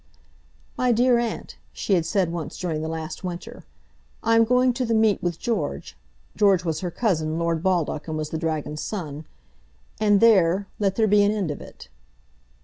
"My dear aunt," she had said once during the last winter, "I am going to the meet with George," George was her cousin, Lord Baldock, and was the dragon's son, "and there, let there be an end of it."